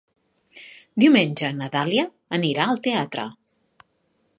Diumenge na Dàlia anirà al teatre.